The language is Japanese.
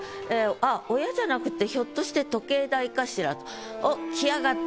あっ親じゃなくってひょっとして時計台かしらと。